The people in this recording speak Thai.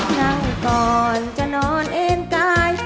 นั่งก่อนจะนอนเองกาย